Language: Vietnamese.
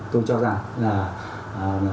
tôi cho rằng là